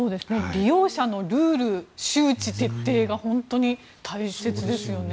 利用者のルール、周知徹底が本当に大切ですよね。